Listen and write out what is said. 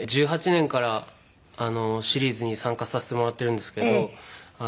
１８年からシリーズに参加させてもらってるんですけど。